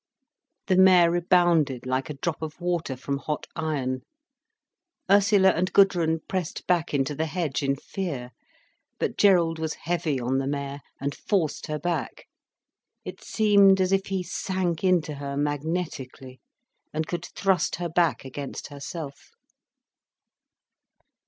The mare rebounded like a drop of water from hot iron. Ursula and Gudrun pressed back into the hedge, in fear. But Gerald was heavy on the mare, and forced her back. It seemed as if he sank into her magnetically, and could thrust her back against herself.